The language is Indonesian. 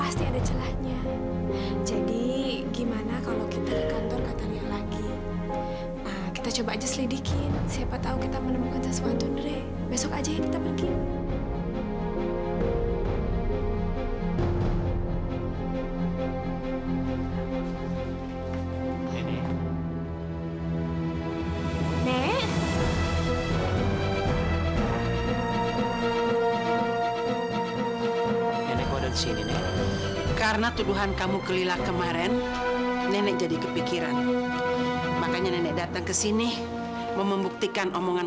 sampai jumpa di video selanjutnya